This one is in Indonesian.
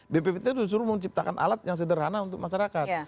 bpbt itu disuruh menciptakan alat yang sederhana untuk masyarakat